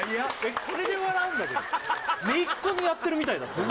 これで笑うんだけど姪っ子にやってるみたいだったよ